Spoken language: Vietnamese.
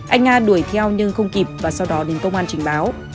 anh nga đuổi theo nhưng không kịp và sau đó đến công an trình báo